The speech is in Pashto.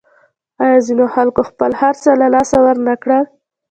آیا ځینو خلکو خپل هرڅه له لاسه ورنکړل؟